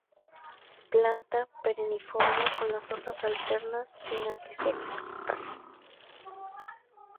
Planta perennifolia con la hojas alternas, pinnatisectas.